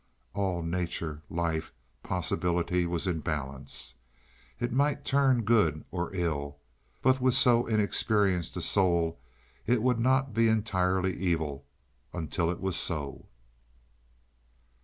All nature, life, possibility was in the balance. It might turn good, or ill, but with so inexperienced a soul it would not be entirely evil until it was so.